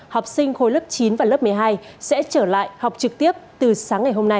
học sinh khối lớp chín và lớp một mươi hai sẽ trở lại học trực tiếp từ sáng ngày hôm nay